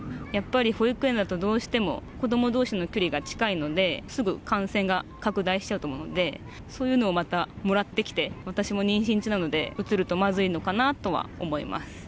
やっぱり保育園だとどうしても子どもどうしの距離が近いので、すぐ感染が拡大しちゃうと思うんで、そういうのをまたもらってきて、私も妊娠中なので、うつるとまずいのかなとは思います。